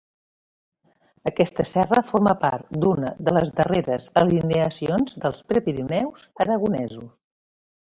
Aquesta serra forma part d'una de les darreres alineacions dels Prepirineus aragonesos.